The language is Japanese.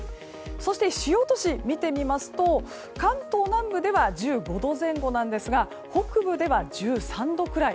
そして主要都市を見てみますと関東南部では１５度前後なんですが北部では１３度くらい。